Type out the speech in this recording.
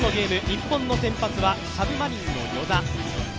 日本の先発はサブマリンの與座。